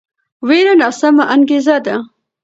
ویره ناسمه انګیزه ده